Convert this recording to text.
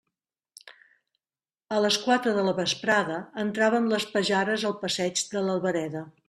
A les quatre de la vesprada entraven les de Pajares al passeig de l'Albereda.